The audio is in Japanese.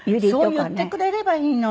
そう言ってくれればいいのに。